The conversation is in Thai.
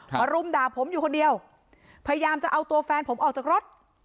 มารุมด่าผมอยู่คนเดียวพยายามจะเอาตัวแฟนผมออกจากรถ